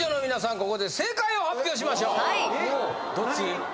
ここで正解を発表しましょうはいどっち？